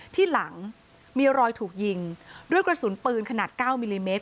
ที่หลังมีรอยถูกยิงด้วยกระสุนปืนขนาด๙มิลลิเมตร